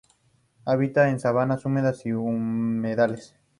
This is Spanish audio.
Habita en sabanas húmedas y humedales.